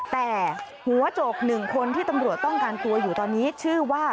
แต่หัวโจกหนึ่งคนที่ตำรวจต้องการตัวอยู่ตอนนี้ชื่อว่า